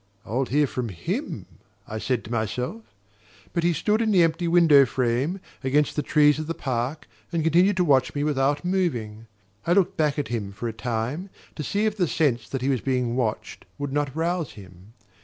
"I'll hear from HIM," I said to myself; but he stood in the empty window frame, against the trees of the park, and continued to watch me without moving. I looked back at him for a time, to see if the sense that he was being watched would not rouse him.